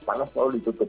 panas selalu ditutup